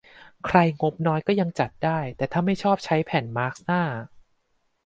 ใครงบน้อยก็ยังจัดได้ แต่ถ้าไม่ชอบใช้แผ่นมาสก์หน้า